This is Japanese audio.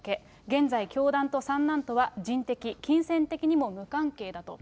現在、教団と三男とは人的・金銭的にも無関係だと。